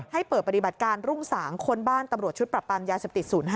ให้เปิดปฏิบัติการรุ่งสางคนบ้านตำรวจชุดปรับปรามยาเสพติด๐๕